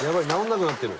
なくなってる！